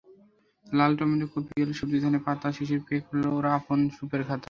লাল tomato, কপি, আলু, সবুজ ধনে পাতাশিশির পেয়ে খুলল ওরা আপন রূপের খাতা।